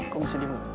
kok sedih mama